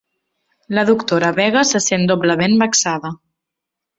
La doctora Vega se sent doblement vexada.